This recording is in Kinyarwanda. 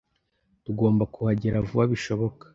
Tugomba kuhagera vuba bishoboka.